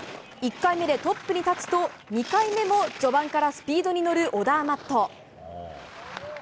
１回目でトップに立つと２回目も序盤からスピードに乗るオダーマット。